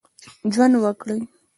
ژوند وکړي.